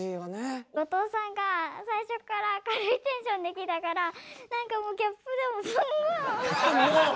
後藤さんが最初っから明るいテンションできたからなんかもうギャップでもうすんごい。